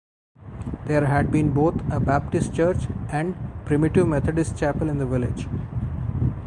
There had been both a Baptist church and Primitive Methodist Chapel in the village.